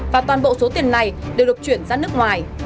và toàn bộ số tiền này đều được chuyển ra nước ngoài